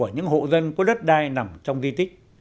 những hộ dân có đất đai nằm trong di tích